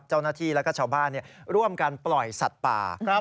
เจ้าหน้าที่แล้วก็ชาวบ้านร่วมกันปล่อยสัตว์ป่า